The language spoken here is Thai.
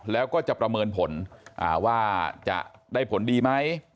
แล้วก็จะประเมินผลว่าจะได้ผลดีไหม